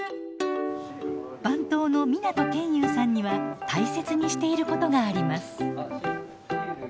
番頭の湊研雄さんには大切にしていることがあります。